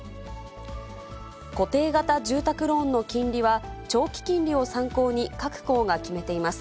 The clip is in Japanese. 固定型住宅ローンの金利は、長期金利を参考に、各行が決めています。